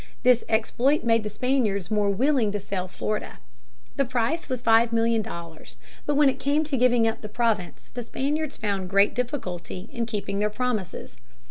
This exploit made the Spaniards more willing to sell Florida. The price was five million dollars. But when it came to giving up the province, the Spaniards found great difficulty in keeping their promises.